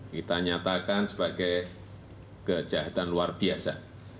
kita nyatakan sebagai kejahatan luar biasa